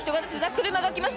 車が来ました。